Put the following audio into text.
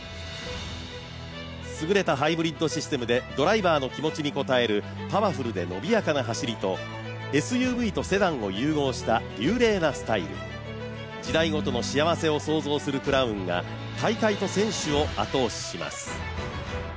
すぐれたハイブリッドシステムでドライバーの気持ちに応えるパワフルで伸びやかな走りとＳＵＶとセダンを融合した流麗なスタイル、時代ごとの幸せを想像するクラウンが大会と選手を後押しします。